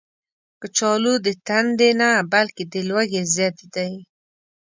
کچالو د تندې نه، بلکې د لوږې ضد دی